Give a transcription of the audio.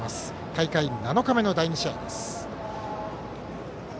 大会７日目の第２試合です。